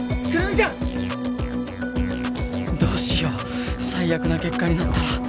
どうしよう最悪な結果になったら